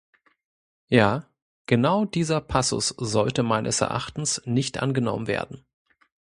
Ja, genau dieser Passus sollte meines Erachtens nicht angenommen werden.